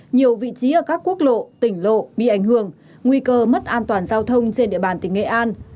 nhiều vị trí ở các quốc lộ tỉnh lộ bị ảnh hưởng nguy cơ mất an toàn giao thông trên địa bàn tỉnh nghệ an